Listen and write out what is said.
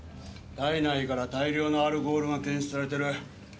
体内から大量のアルコールが検出されてる。